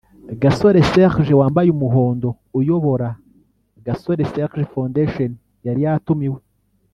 Gasore Serge (wamabaye umuhondo) uyobora Gasore Serge Foundation yari yatumiwe